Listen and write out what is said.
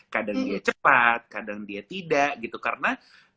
kadang dia cepat kadang dia tidak gitu karena